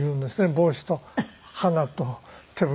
帽子と花と手袋。